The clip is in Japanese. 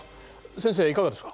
先生いかがですか？